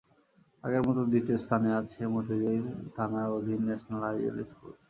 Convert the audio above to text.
আগের মতো দ্বিতীয় স্থানে আছে মতিঝিল থানার অধীন ন্যাশনাল আইডিয়াল স্কুল।